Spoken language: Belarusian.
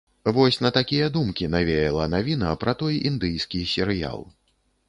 Вось на такія думкі навяла навіна пра той індыйскі серыял.